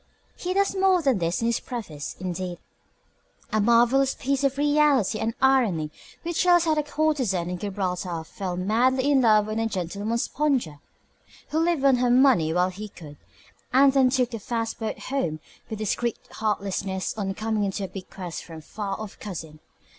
He does more than this in his preface, indeed, a marvellous piece of reality and irony which tells how a courtesan in Gibraltar fell madly in love with a gentleman sponger who lived on her money while he could, and then took the first boat home with discreet heartlessness on coming into a bequest from a far off cousin.